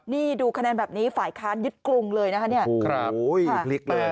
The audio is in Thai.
นี่ดูคะแนนแบบนี้ฝ่ายค้านยึดกรุงเลยนะครับเนี่ย